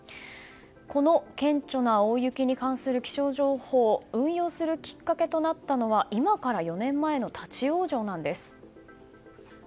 この顕著な大雪に関する気象情報運用するきっかけとなったのは今から４年前の立往生です。